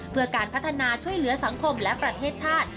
เพื่อการพัฒนาช่วยเหลือสังคมและประเทศชาติ